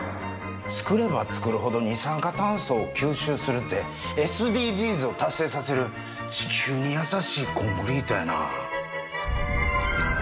造れば造るほど二酸化炭素を吸収するってＳＤＧｓを達成させる地球に優しいコンクリートやな。